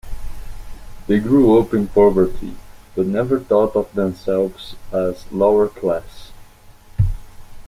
They grew up in poverty, but never thought of themselves as lower class.